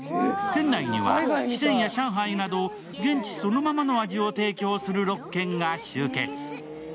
店内には四川や上海など、現地そのままの味を提供する６軒が集結。